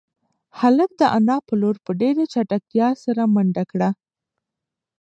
هلک د انا په لور په ډېرې چټکتیا سره منډه کړه.